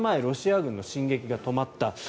ロシア軍の進撃が止まった。